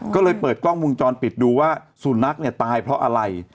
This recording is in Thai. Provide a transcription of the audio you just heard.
ก็เลยเปิดกล้องวงจรปิดดูว่าสุนัขเนี่ยตายเพราะอะไร